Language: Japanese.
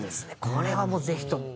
これはもうぜひとも。